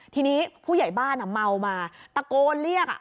ทีนี้ผู้ใหญ่บ้านเมามาตะโกนเรียก